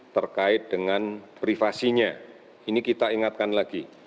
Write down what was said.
terkait dengan privasinya ini kita ingatkan lagi